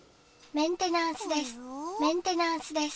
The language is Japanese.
メンテナンスです。